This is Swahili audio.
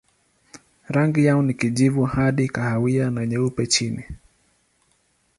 Rangi yao ni kijivu hadi kahawia na nyeupe chini.